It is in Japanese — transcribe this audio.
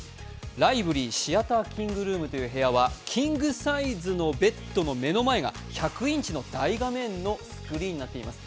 ライブリーシアターキングルームというお部屋はキングサイズのベッドの目の前が１００インチの大画面のスクリーンになっています。